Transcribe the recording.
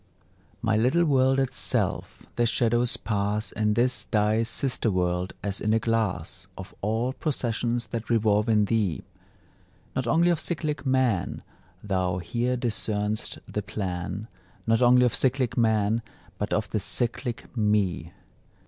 My little worlded self! the shadows pass In this thy sister world, as in a glass, Of all processions that revolve in thee: Not only of cyclic Man Thou here discern'st the plan, Not only of cyclic Man, but of the cyclic Me.